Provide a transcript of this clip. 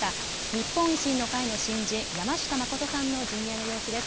日本維新の会の新人、山下真さんの陣営の様子です。